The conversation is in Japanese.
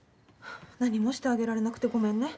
何もしてあげられなくてごめんね。